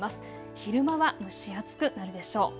昼間は蒸し暑くなるでしょう。